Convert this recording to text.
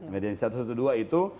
jadi satu ratus dua belas itu